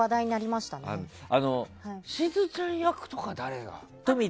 しずちゃん役とか誰が。